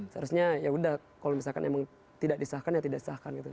seharusnya ya udah kalau misalkan emang tidak disahkan ya tidak sahkan gitu